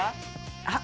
あっ。